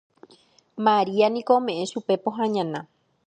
Maria niko ome'ẽ chupe pohã ñana